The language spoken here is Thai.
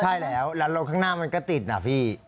ใช่แล้วแล้วรถข้างหน้ามันก็ติดนะพี่